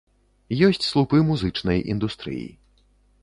Ёсць слупы музычнай індустрыі.